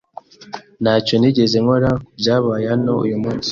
Ntacyo nigeze nkora ku byabaye hano uyu munsi.